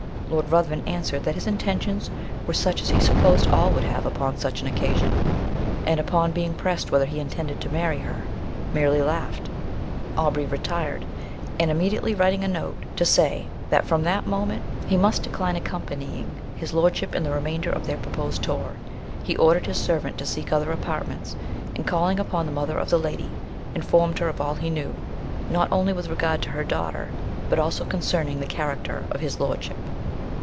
Lord Ruthven answered, that his intentions were such as he supposed all would have upon such an occasion; and upon being pressed whether he intended to marry her, merely laughed. Aubrey retired; and, immediately writing a note, to say, that from that moment he must decline accompanying his Lordship in the remainder of their proposed tour, he ordered his servant to seek other apartments, and calling upon the mother of the lady, informed her of all he knew, not only with regard to her daughter, but also concerning the character of his Lordship.